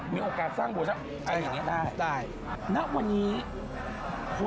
เบอร์ครับ